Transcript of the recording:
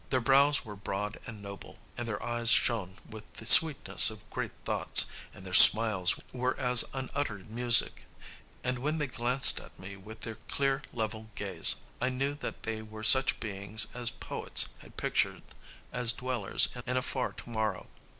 Their brows were broad and noble, and their eyes shone with the sweetness of great thoughts, and their smiles were as unuttered music; and when they glanced at me with their clear, level gaze, I knew that they were such beings as poets had pictured as dwellers in a far tomorrow.